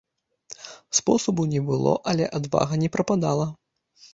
Спосабу не было, але адвага не прападала.